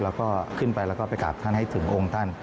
แล้วก็ขึ้นไปแล้วก็ไปกราบท่านให้ถึงองค์ท่าน